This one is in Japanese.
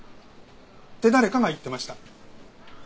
って誰かが言ってました。